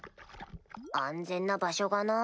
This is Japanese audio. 安全な場所がなぁ。